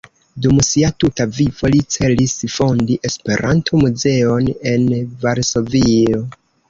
Dum sia tuta vivo li celis fondi Esperanto-muzeon en Varsovio.